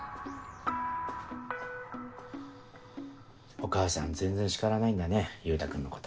お母さん全然叱らないんだね優太君のこと。